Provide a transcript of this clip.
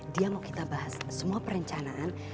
dia mau kita bahas semua perencanaan